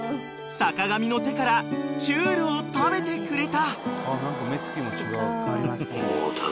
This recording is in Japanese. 坂上の手からちゅるを食べてくれた］